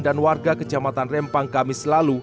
dan warga kecamatan rempang kami selalu